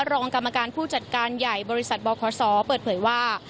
รองกรรมการผู้จัดการใหญ่บริษัทบคศเปิดเผยว่า